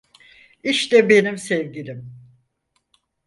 İşte benim sevgilim.